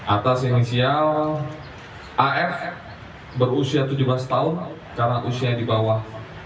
atas inisial af berusia tujuh belas tahun karena usia di bawah